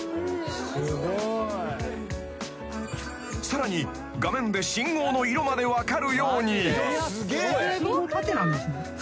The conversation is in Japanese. ［さらに画面で信号の色まで分かるように］